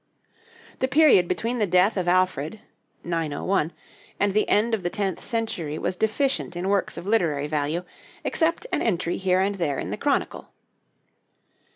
The period between the death of Alfred (901) and the end of the tenth century was deficient in works of literary value, except an entry here and there in the 'Chronicle.'